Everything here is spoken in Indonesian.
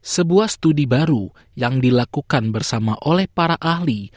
sebuah studi baru yang dilakukan bersama oleh para ahli